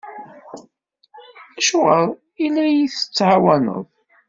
Acuɣer i la iyi-tettɛawaneḍ?